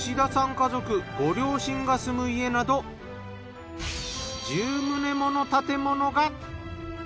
家族ご両親が住む家など１０棟もの建物が。